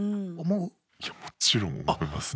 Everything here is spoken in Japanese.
もちろん思いますね。